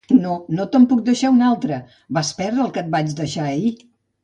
No, no te'n puc deixar un altre. Vas perdre el que et vaig deixar ahir!